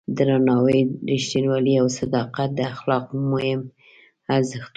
درناوی، رښتینولي او صداقت د اخلاقو مهم ارزښتونه دي.